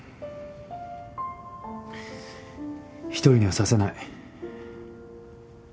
１人にはさせない。